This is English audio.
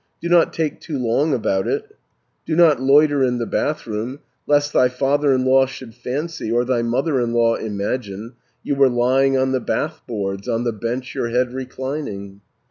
Do not take too long about it, Do not loiter in the bathroom, Lest thy father in law should fancy, Or thy mother in law imagine, You were lying on the bath boards, On the bench your head reclining.